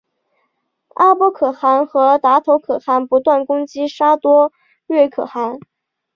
阿波可汗和达头可汗不断攻击沙钵略可汗。